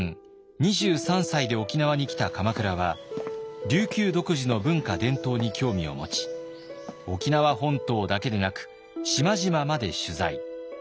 ２３歳で沖縄に来た鎌倉は琉球独自の文化伝統に興味を持ち沖縄本島だけでなく島々まで取材。